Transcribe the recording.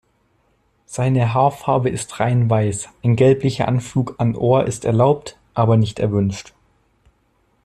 Seine Haarfarbe ist reinweiß, ein gelblicher Anflug an Ohr ist erlaubt, aber nicht erwünscht.